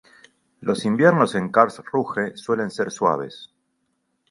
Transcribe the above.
Los inviernos en Karlsruhe suelen ser suaves.